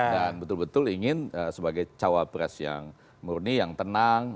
dan betul betul ingin sebagai cawabres yang murni yang tenang